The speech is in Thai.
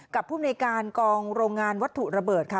ภูมิในการกองโรงงานวัตถุระเบิดค่ะ